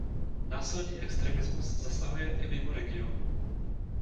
Násilný extremismus zasahuje i mimo region.